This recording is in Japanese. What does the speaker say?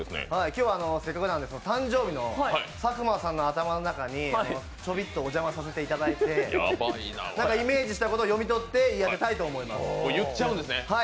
今日はせっかくなので誕生日の佐久間さんの頭の中にちょびっとお邪魔させていただいて、イメージしたことを読み取って言い当てたいと思います。